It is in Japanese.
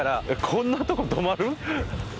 こんなとこ止まる？